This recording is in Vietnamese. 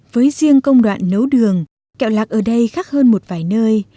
với riêng công đoạn nấu đường kẹo lạc ở đây khác hơn một vài nơi